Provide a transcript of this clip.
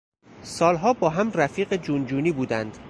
سالها با هم رفیق جون جونی بودند.